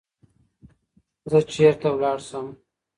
زه چېرته لاړشم